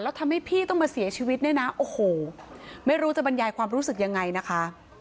แล้วทำให้พี่ต้องมาเสียชีวิตเนี่ยนะโอ้โหไม่รู้จะบรรยายความรู้สึกยังไงนะคะ